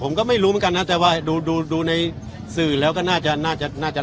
ผมก็ไม่รู้เหมือนกันนะแต่ว่าดูดูในสื่อแล้วก็น่าจะน่าจะ